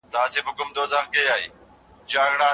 آيا په تجارت کي برکت غواړې؟